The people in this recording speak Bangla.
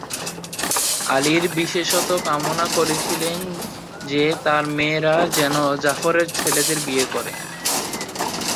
আলীর বিশেষত কামনা করেছিলেন যে তাঁর মেয়েরা যেনো জাফরের ছেলেদের বিয়ে করে।